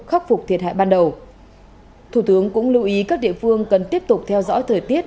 khắc phục thiệt hại ban đầu thủ tướng cũng lưu ý các địa phương cần tiếp tục theo dõi thời tiết